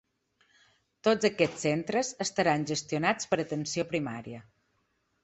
Tots aquests centres estaran gestionats per atenció primària.